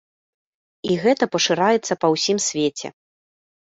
І гэта пашыраецца па ўсім свеце.